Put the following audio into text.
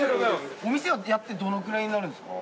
お店はやってどのくらいになるんですか？